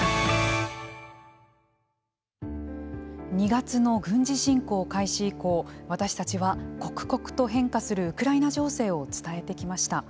２月の軍事侵攻開始以降私たちは刻々と変化するウクライナ情勢を伝えてきました。